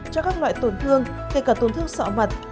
cho các loại tổn thương kể cả tổn thương sọ mặt